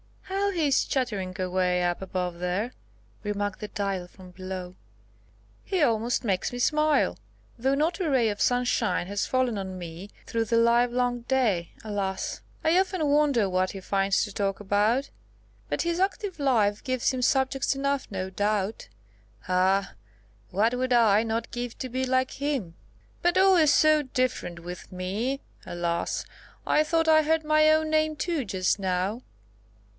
"How he is chattering away up above there," remarked the Dial from below; "he almost makes me smile, though not a ray of sunshine has fallen on me through the livelong day, alas! I often wonder what he finds to talk about. But his active life gives him subjects enough, no doubt. Ah! what would I not give to be like him! But all is so different with me, alas! I thought I heard my own name too, just now.